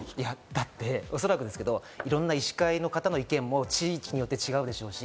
だって、おそらくですけど、いろんな医師会の方の意見も地域によって違うでしょうし。